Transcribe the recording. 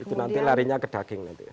itu nanti larinya ke daging